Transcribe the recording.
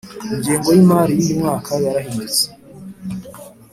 Ingengo yimari yuyu mwaka yarahindutse